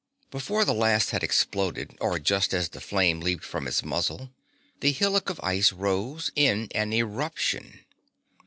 Before the last had exploded, or just as the flame leaped from its muzzle, the hillock of ice rose as in an eruption.